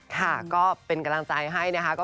ค่ะก็เป็นกำลังใจให้นะคะ